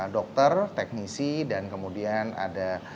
dokter teknisi dan kemudian ada